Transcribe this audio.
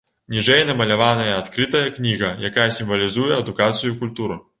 Ніжэй намаляваная адкрытая кніга, якая сімвалізуе адукацыю і культуру.